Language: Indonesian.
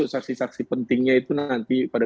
saksi saksi pentingnya itu nanti pada